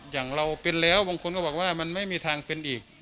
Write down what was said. อย่างเราเป็นแล้วบางคนก็บอกว่ามันไม่มีทางเป็นอีก